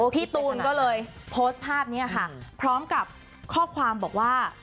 พี่ตูนก็เลยโพสต์ภาพนี้ค่ะพร้อมกับข้อความบอกว่า